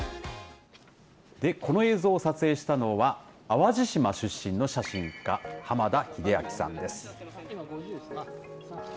この映像を撮影したのは淡路島出身の写真家濱田英明さんです。